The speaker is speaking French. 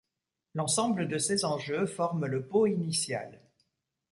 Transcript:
L'ensemble de ces enjeux forme le pot initial.